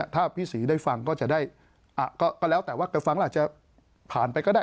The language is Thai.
ถ้าพี่ศรีได้ฟังก็จะได้ก็แล้วแต่ว่าแกฟังแล้วอาจจะผ่านไปก็ได้